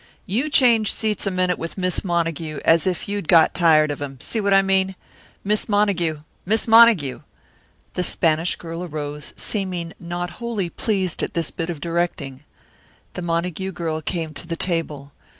"You change seats a minute with Miss Montague, as if you'd got tired of him see what I mean? Miss Montague Miss Montague." The Spanish girl arose, seeming not wholly pleased at this bit of directing. The Montague girl came to the table.